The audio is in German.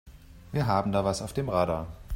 Wir haben da was auf dem Radar.